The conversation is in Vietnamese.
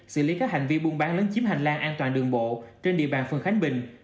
xử lý các hành vi buôn bán lấn chiếm hành lang an toàn đường bộ trên địa bàn phường khánh bình